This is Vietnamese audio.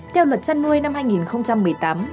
theo luật chăn nuôi năm hai nghìn một mươi tám